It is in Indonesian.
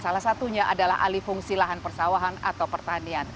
salah satunya adalah alih fungsi lahan persawahan atau pertanian